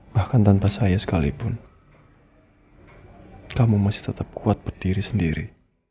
bahkan tanpa saya sekalipun kamu masih tetap kuat berdiri sendiri